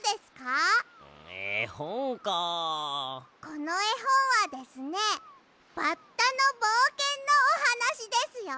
このえほんはですねバッタのぼうけんのおはなしですよ！